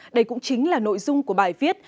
đây cũng chính là nội dung của bài viết